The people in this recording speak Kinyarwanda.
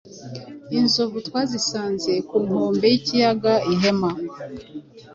Inzovu twazisanze ku nkombe y’ikiyaga Ihema